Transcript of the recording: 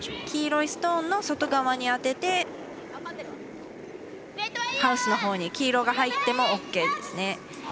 黄色いストーンの外側に当ててハウスのほうに黄色が入ってもＯＫですね。